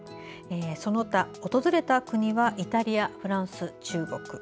その他、訪れた国がイタリア、フランス、中国。